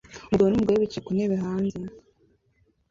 Umugabo n'umugore bicaye ku ntebe hanze